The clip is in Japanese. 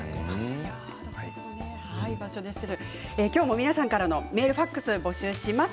今日も皆さんからのメール、ファックスを募集します。